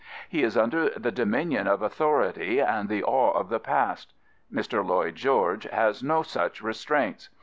He is under the dominion of authority and the awe of the past. Mr. Lloyd George has no such restraints.